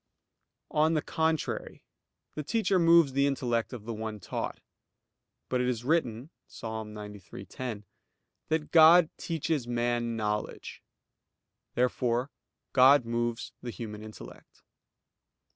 On the contrary, The teacher moves the intellect of the one taught. But it is written (Ps. 93:10) that God "teaches man knowledge." Therefore God moves the human intellect.